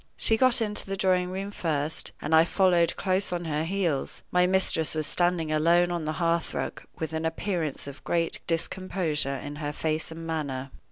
She got into the drawing room first, and I followed close on her heels. My mistress was standing alone on the hearth rug, with an appearance of great discomposure in her face and manner.